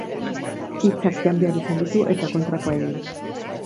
Hitzak jan behar izan ditu eta kontrakoa egin.